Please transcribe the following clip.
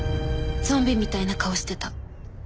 ゾンビみたいな顔してた。